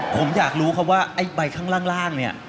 ผมอยากรู้ครับว่าไอ้ใบข้างล่างเนี่ย